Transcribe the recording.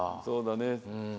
そうだね。